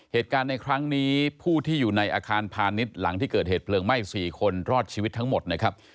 เหตุการณ์ในครั้งนี้ผู้ที่อยู่ในอาคารพาณิชย์หลังที่เกิดเหตุเพลิงไหม้๔คนรอดชีวิตทั้งหมดนะครับ